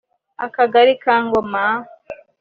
akagari ka Gakoma